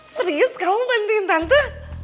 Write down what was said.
serius kamu bantuin tante